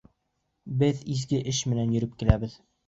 Беҙ изге эш менән йөрөп киләбеҙ.